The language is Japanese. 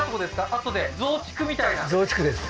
あとで増築みたいな増築です